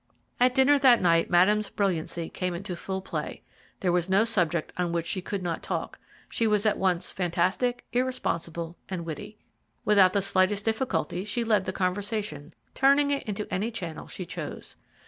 At dinner that night Madame's brilliancy came into full play. There was no subject on which she could not talk she was at once fantastic, irresponsible, and witty. Without the slightest difficulty she led the conversation, turning it into any channel she chose.